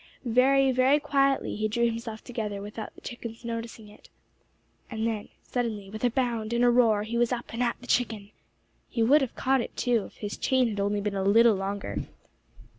Very, very quietly he drew himself together, without the chicken's noticing it, and then suddenly with a bound and a roar he was up and at the chicken. He would have caught it, too, if his chain had only been a little longer.